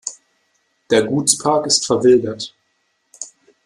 Der Gutspark ist verwildert.